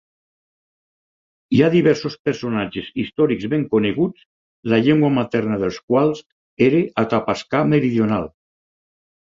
Hi ha diversos personatges històrics ben coneguts la llengua materna dels quals era atapascà meridional.